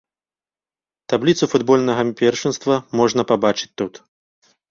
Табліцу футбольнага першынства можна пабачыць тут.